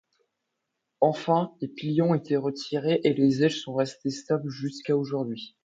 Enfin, les piliers ont été retirés et les ailes sont restées stables jusqu'à aujourd'hui.